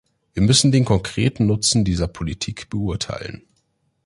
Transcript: Wir müssen den konkreten Nutzen dieser Politik beurteilen.